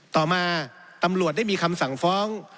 ต่อมาตำรวจได้มีคำสั่งฟ้อง